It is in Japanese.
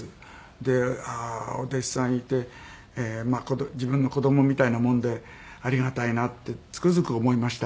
でああーお弟子さんいてまあ自分の子供みたいなもんでありがたいなってつくづく思いました。